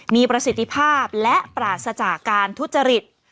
มีประสิทธิภาพและปราศจากการทุจริต